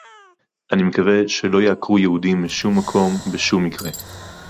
אני מקווה שלא יעקרו יהודים משום מקום בשום מקרה